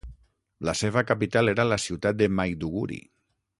La seva capital era la ciutat de Maiduguri.